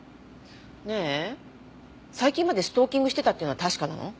ねえ最近までストーキングしてたっていうのは確かなの？